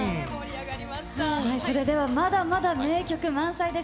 それでは、まだまだ名曲満載です。